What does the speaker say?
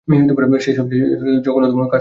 সে সবচেয়ে জঘন্যতম কার্স ব্যবহারকারী।